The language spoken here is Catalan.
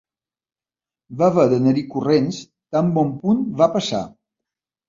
Va haver d'anar-hi corrents tan bon punt va passar!